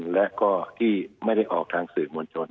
และก็ที่ไม่ได้ออกทางสื่อมวลชน